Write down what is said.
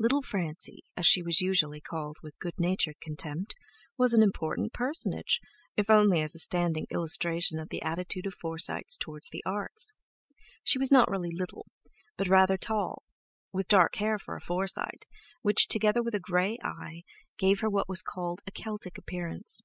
"Little Francie," as she was usually called with good natured contempt, was an important personage, if only as a standing illustration of the attitude of Forsytes towards the Arts. She was not really "little," but rather tall, with dark hair for a Forsyte, which, together with a grey eye, gave her what was called "a Celtic appearance."